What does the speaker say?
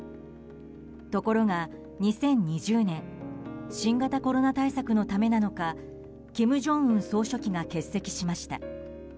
ところが２０２０年新型コロナ対策のためなのか金正恩総書記が欠席しました。